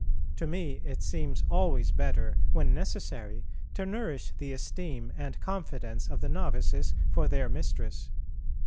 To me it seems always better, when necessary, to nourish the esteem and confidence of the novices for their Mistress.